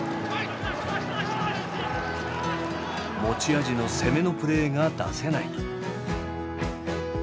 持ち味の攻めのプレーが出せない。